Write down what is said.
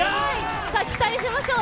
期待しましょう。